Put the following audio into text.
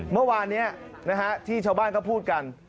เมื่อวานนี้ที่ชาวบ้านเขาพูดกัน